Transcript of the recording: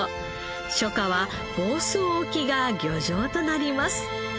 初夏は房総沖が漁場となります。